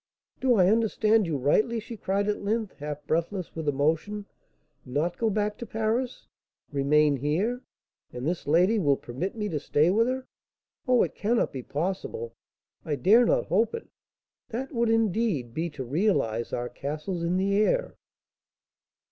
"Do I understand you rightly?" she cried at length, half breathless with emotion. "Not go back to Paris? Remain here? And this lady will permit me to stay with her? Oh, it cannot be possible; I dare not hope it; that would, indeed, be to realise our 'castles in the air.'"